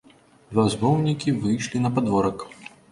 Два змоўнікі выйшлі на падворак.